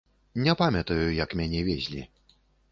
Не памятаю, як мяне везлі.